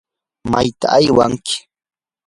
¿mayta aywanki?